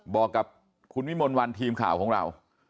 บอกกับคุณวิมลวันทีมข่าวของเรา